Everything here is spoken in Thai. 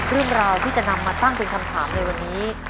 เรื่องราวที่จะนำมาตั้งเป็นคำถามในวันนี้